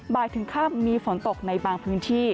บายถึงครั้งมีฝนตกในบางพื้นที่